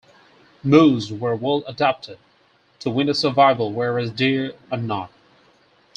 Moose are well adapted to winter survival whereas deer are not.